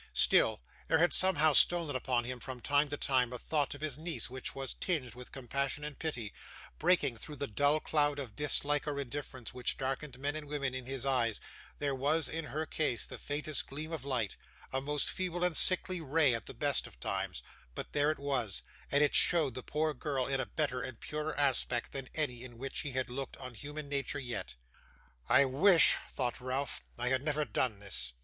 Still, there had somehow stolen upon him from time to time a thought of his niece which was tinged with compassion and pity; breaking through the dull cloud of dislike or indifference which darkened men and women in his eyes, there was, in her case, the faintest gleam of light a most feeble and sickly ray at the best of times but there it was, and it showed the poor girl in a better and purer aspect than any in which he had looked on human nature yet. 'I wish,' thought Ralph, 'I had never done this.